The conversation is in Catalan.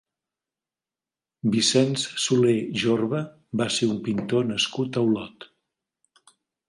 Vicenç Solé-Jorba va ser un pintor nascut a Olot.